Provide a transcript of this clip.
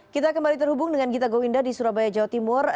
kita kembali terhubung dengan gita gowinda di surabaya jawa timur